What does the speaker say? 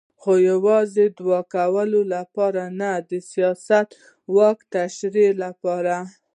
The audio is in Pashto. خو یوازې د دوعا کولو لپاره نه د سیاسي واک تشریح لپاره.